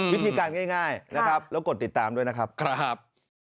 วิธีการง่ายนะครับแล้วกดติดตามด้วยนะครับ